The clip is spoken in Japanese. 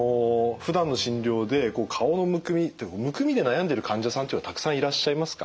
ふだんの診療で顔のむくみってむくみで悩んでいる患者さんっていうのはたくさんいらっしゃいますか？